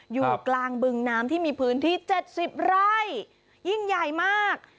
อยู่กลางบึงน้ำที่มีพื้นที่๗๐ไร่ยิ่งใหญ่มาก